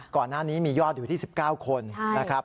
ก่อนหน้านี้มียอดอยู่ที่๑๙คนนะครับ